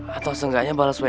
atau seenggaknya bales wa gue kek